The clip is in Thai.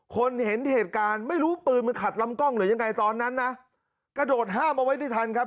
เห็นเหตุการณ์ไม่รู้ปืนมันขัดลำกล้องหรือยังไงตอนนั้นนะกระโดดห้ามเอาไว้ได้ทันครับ